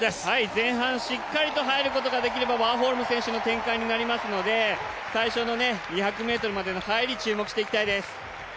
前半しっかりと入ることができればワーホルム選手の展開になりますので最初の２００ｍまでの入り注目していきたいです。